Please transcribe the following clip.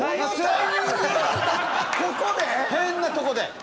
ここで？